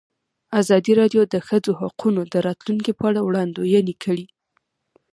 ازادي راډیو د د ښځو حقونه د راتلونکې په اړه وړاندوینې کړې.